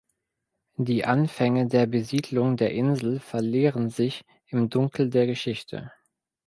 Die Anfänge der Besiedlung der Insel verlieren sich im Dunkel der Geschichte.